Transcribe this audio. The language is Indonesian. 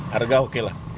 harga oke lah